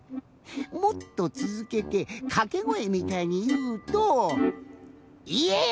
もっとつづけてかけごえみたいにいうと。